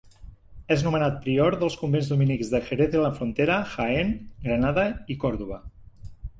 És nomenat prior dels convents dominics de Jerez de la Frontera, Jaén, Granada i Còrdova.